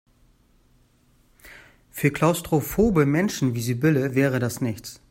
Für klaustrophobe Menschen wie Sibylle wäre das nichts.